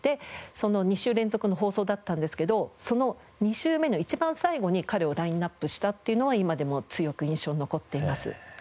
２週連続の放送だったんですけどその２週目の一番最後に彼をラインアップしたというのは今でも強く印象に残っています。